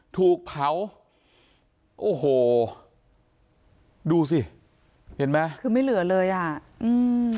ถูกเผาโอ้โหดูสิเห็นไหมคือไม่เหลือเลยอ่ะอืม